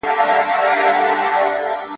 چي ماشوم وم را ته مور کیسه کوله ,